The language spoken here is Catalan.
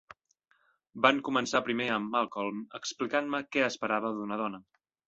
Van començar primer amb Malcolm explicant-me què esperava d'una dona.